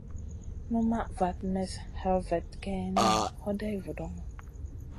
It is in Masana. Numaʼ vat mestn hè vat geyni, hoday vudoŋo.